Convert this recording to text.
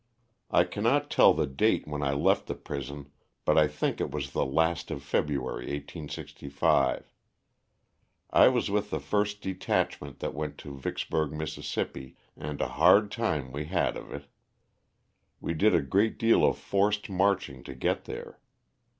I cannot tell the date when I left the prison, but think it was the last of February, 1865. I was with the first detachment that was sent to Vicksburg, Miss., and a hard time we had of it. We did a great deal of forced marching to get there.